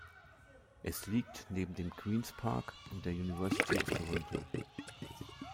Es liegt neben dem Queen’s Park und der University of Toronto.